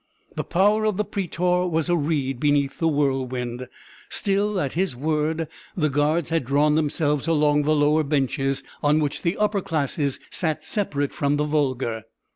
The power of the prætor was a reed beneath the whirlwind; still, at his word the guards had drawn themselves along the lower benches, on which the upper classes sat separate from the vulgar.